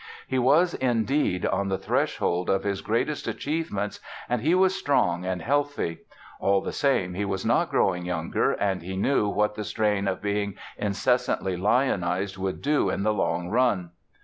He was, indeed, on the threshold of his greatest achievements and he was strong and healthy. All the same he was not growing younger. And he knew what the strain of being incessantly lionized would do in the long run.